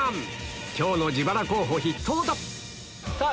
今日の自腹候補筆頭ださぁ